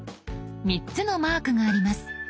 ３つのマークがあります。